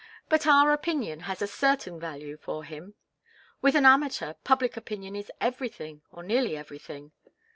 But our opinion has a certain value for him. With an amateur, public opinion is everything, or nearly everything.